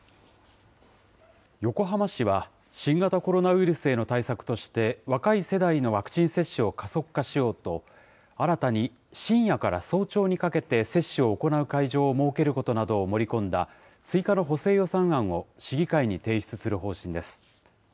横浜市は、新型コロナウイルスへの対策として、若い世代のワクチン接種を加速化しようと、新たに深夜から早朝にかけて接種を行う会場を設けることなどを盛り込んだ、追加の補正予算案を市議会に提出する方針です。